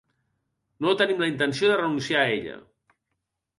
No tenim la intenció de renunciar a ella.